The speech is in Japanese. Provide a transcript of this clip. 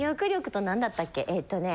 えっとね。